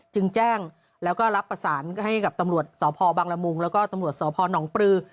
จึงแจ้งแล้วก็รับประสานให้กับตำรวจสพบังละมุงแล้วก็ตำรวจสพนปลือ